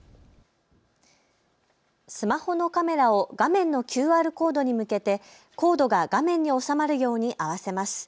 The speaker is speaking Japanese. スマホのカメラを画面のＱＲコードに向けてコードが画面に収まるように合わせます。